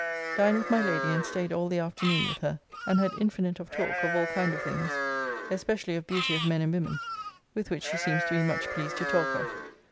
Dined with my Lady and staid all the afternoon with her, and had infinite of talk of all kind of things, especially of beauty of men and women, with which she seems to be much pleased to talk of.